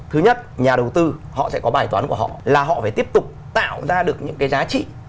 thứ nhất nhà đầu tư họ sẽ có bài toán của họ là họ phải tiếp tục tạo ra được những cái giá trị